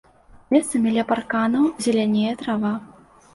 Месцамі ля парканаў зелянее трава.